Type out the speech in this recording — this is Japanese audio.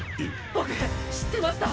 僕知ってました。